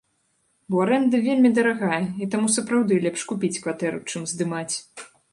Бо арэнда вельмі дарагая, і таму сапраўды лепш купіць кватэру, чым здымаць.